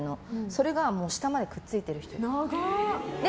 それが下までくっついてる人。